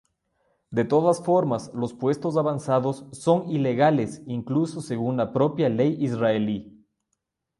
De todas formas los puestos avanzados son ilegales incluso según la propia ley israelí.